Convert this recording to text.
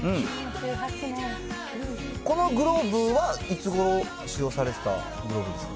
このグローブは、いつごろ使用されてたグローブですか。